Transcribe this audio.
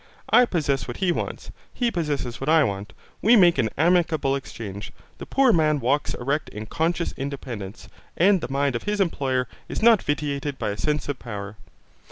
I possess what he wants, he possesses what I want. We make an amicable exchange. The poor man walks erect in conscious independence; and the mind of his employer is not vitiated by a sense of power.